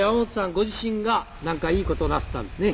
ご自身が何かいいことをなさったんですね？